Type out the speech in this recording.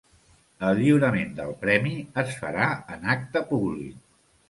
El lliurament del Premi es farà en acte públic.